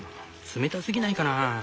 冷たすぎないかな？